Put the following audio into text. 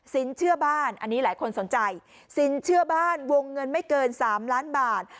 ๕สินเชื่อบ้านสินเชื่อบ้านวงเงินไม่เกิน๓ล้านบาท